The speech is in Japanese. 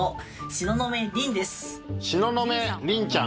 東雲りんちゃん。